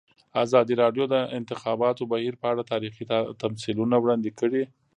ازادي راډیو د د انتخاباتو بهیر په اړه تاریخي تمثیلونه وړاندې کړي.